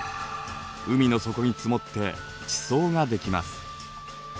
海の底に積もって地層ができます。